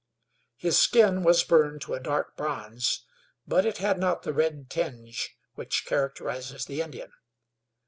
His skin was burned to a dark bronze, but it had not the red tinge which characterizes the Indian.